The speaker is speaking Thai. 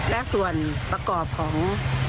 และส่วนประกอบของ